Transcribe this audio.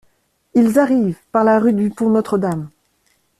Ils arrivent par la rue du Pont-Notre-Dame!